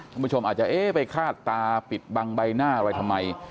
คุณผู้ชมอาจจะเอ๊ะไปคาดตาปิดบังใบหน้าอะไรทำไม